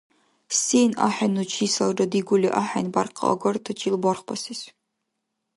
Сен ахӀенну чисалра дигули ахӀен бяркъагартачил бархбасес.